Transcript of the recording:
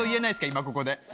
今ここで。